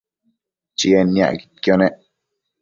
Chied niacquidquio nec